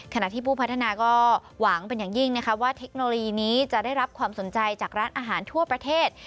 ขณะที่ผู้พัฒนาก็หวังเป็นอย่างยิ่งนะคะว่าเทคโนโลยีนี้จะได้รับความสนใจจากร้านอาหารทั่วประเทศ